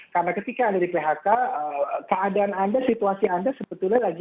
karena ketika anda di phk keadaan anda situasi anda sebetulnya lagi agak jauh